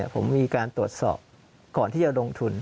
ผมมีการตรวจสอบก่อนที่จะลงทุน